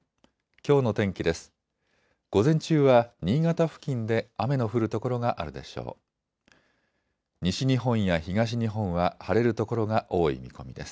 きょうの天気です。